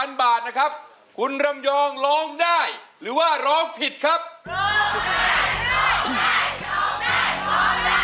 มองกันร้างกล้อมของเรา